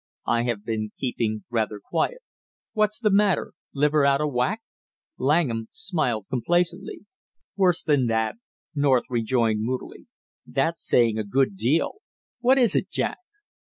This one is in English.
"I have been keeping rather quiet." "What's the matter? Liver out of whack?" Langham smiled complacently. "Worse than that!" North rejoined moodily. "That's saying a good deal? What is it, Jack?"